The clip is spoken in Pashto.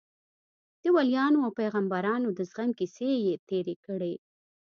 د وليانو او پيغمبرانو د زغم کيسې يې تېرې کړې.